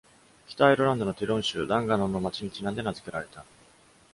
北アイルランドのティロン州ダンガノンの街にちなんで名付けられた。